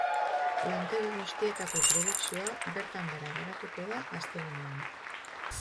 Lantegi guztietako produkzioa bertan behera geratuko da astelehenean.